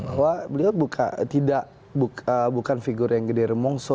bahwa beliau bukan figur yang gede remongso